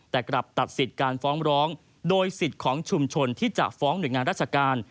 แต่กลับตัดสิทธิ์การฟ้องร้องโดยสิทธิ์ของชุมชนที่จะฟ้องหน่วยงานราชการ